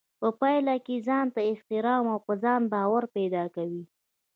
په پايله کې ځانته احترام او په ځان باور پيدا کوي.